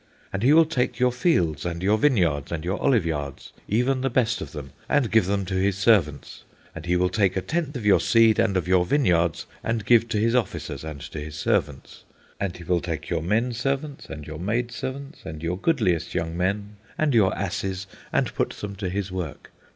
And he will take your fields and your vineyards, and your oliveyards, even the best of them, and give them to his servants. And he will take a tenth of your seed, and of your vineyards, and give to his officers, and to his servants. And he will take your menservants, and your maidservants, and your goodliest young men, and your asses, and put them to his work.